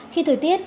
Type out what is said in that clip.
khi thời tiết